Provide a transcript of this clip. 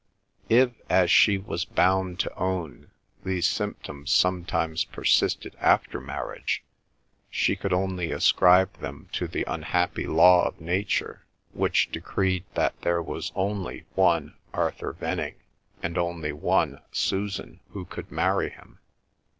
If, as she was bound to own, these symptoms sometimes persisted after marriage, she could only ascribe them to the unhappy law of nature which decreed that there was only one Arthur Venning, and only one Susan who could marry him.